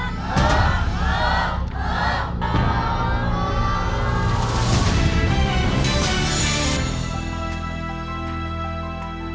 หือหือหือ